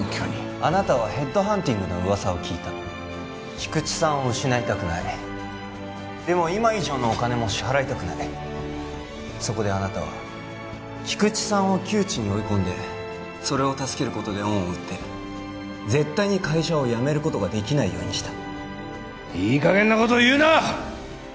あなたはヘッドハンティングの噂を聞いた菊池さんを失いたくないでも今以上のお金も支払いたくないそこであなたは菊池さんを窮地に追い込んでそれを助けることで恩を売って絶対に会社を辞めることができないようにしたいい加減なことを言うな！